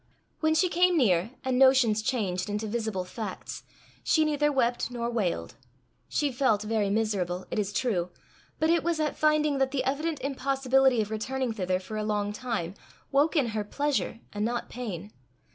When she came near, and notions changed into visible facts, she neither wept nor wailed. She felt very miserable, it is true, but it was at finding that the evident impossibility of returning thither for a long time, woke in her pleasure and not pain.